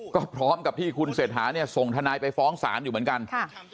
ก็พร้อมกับที่คุณเศรษฐาเนี่ยส่งทนายไปฟ้องศาลอยู่เหมือนกัน